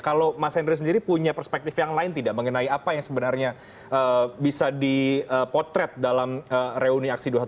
kalau mas henry sendiri punya perspektif yang lain tidak mengenai apa yang sebenarnya bisa dipotret dalam reuni aksi dua ratus dua belas